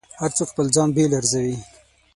هر څوک ځان بېل ارزوي.